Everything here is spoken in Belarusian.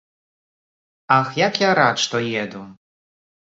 Ах, як я рад, што еду.